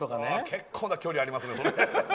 結構な距離がありますね。